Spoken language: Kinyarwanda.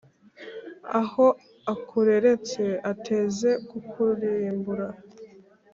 ahora akureretse, ateze kukurimbura